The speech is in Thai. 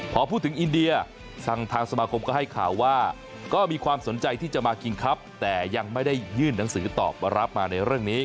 พอพูดถึงอินเดียทางสมาคมก็ให้ข่าวว่าก็มีความสนใจที่จะมาคิงครับแต่ยังไม่ได้ยื่นหนังสือตอบรับมาในเรื่องนี้